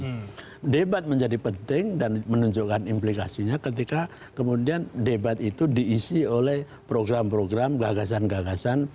nah debat menjadi penting dan menunjukkan implikasinya ketika kemudian debat itu diisi oleh program program gagasan gagasan